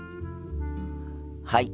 はい。